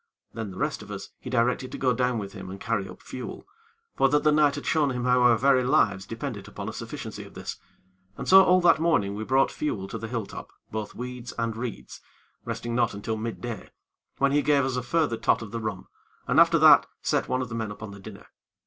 Then, the rest of us he directed to go down with him and carry up fuel; for that the night had shown him how our very lives depended upon a sufficiency of this; and so all that morning we brought fuel to the hill top, both weed and reeds, resting not until midday, when he gave us a further tot of the rum, and after that set one of the men upon the dinner.